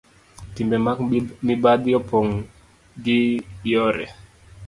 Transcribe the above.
Timbe mag mibadhi opong ' gi yore